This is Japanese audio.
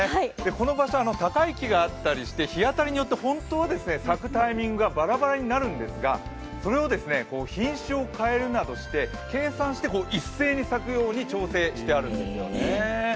この場所、高い木があったりして日当たりによって本当は咲くタイミングがばらばらになるんですが、それを品種を変えるなどして計算して一斉に咲くように調整してあるんですね。